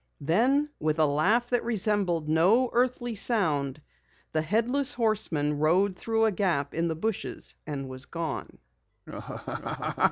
Then with a laugh that resembled no earthly sound, the Headless Horseman rode through a gap in the bushes and was gone.